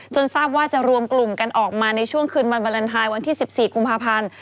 ทราบว่าจะรวมกลุ่มกันออกมาในช่วงคืนวันวาเลนไทยวันที่๑๔กุมภาพันธ์